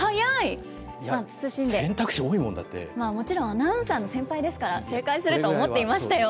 選択肢多いもん、もちろん、アナウンサーの先輩ですから、正解すると思っていましたよ。